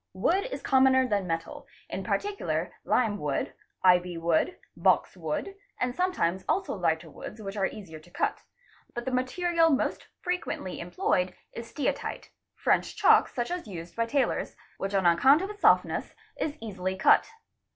Wood — is commoner than metal, in particular lime wood, ivy wood, box wood, and sometimes also lhghter woods which are easier to cut; but the material most frequently employed is steatite (french chalk such as used by tailors), which on account. of its softness is easily cut.